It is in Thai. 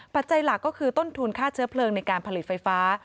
ปัจจัยหลักก็คือต้นทุนค่าเชื้อเพลิงในการผลิตไฟฟ้า